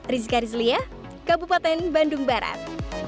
rizka rizlia kabupaten bandung barat